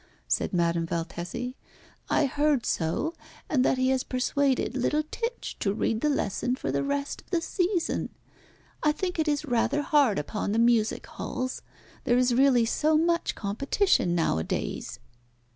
said Madame Valtesi. "I heard so, and that he has persuaded Little Tich to read the lessons for the rest of the season. I think it is rather hard upon the music halls. There is really so much competition nowadays!"